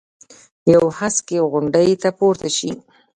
یوې هسکې غونډۍ ته پورته شي.